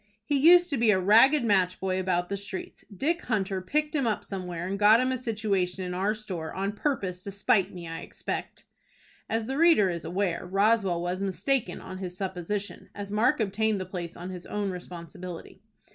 "He used to be a ragged match boy about the streets. Dick Hunter picked him up somewhere, and got him a situation in our store, on purpose to spite me, I expect." As the reader is aware, Roswell was mistaken in his supposition, as Mark obtained the place on his own responsibility.